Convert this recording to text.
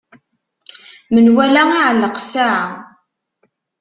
Menwala iɛelleq ssaɛa.